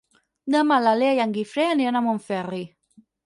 Demà na Lea i en Guifré aniran a Montferri.